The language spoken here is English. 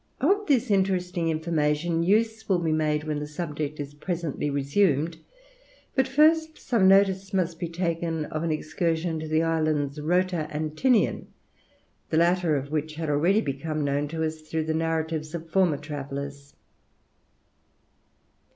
Of this interesting information use will be made when the subject is presently resumed, but first some notice must be taken of an excursion to the islands Rota and Tinian, the latter of which had already become known to us through the narratives of former travellers.